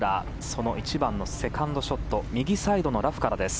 その１番のセカンドショット右サイドのラフからです。